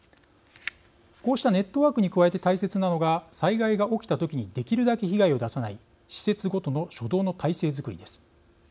こうしたネットワークに加えて大切なのが、災害が起きた時にできるだけ被害を出さない施設ごとの初動の体制づくりです。